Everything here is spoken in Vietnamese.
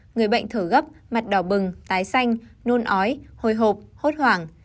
người bệnh thở gấp mặt đỏ bừng tái xanh nôn ói hồi hộp hốt hoảng